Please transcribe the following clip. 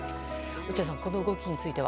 落合さん、この動きについては。